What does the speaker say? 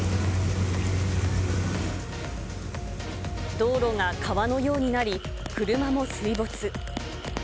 道路が川のようになり、車も水没。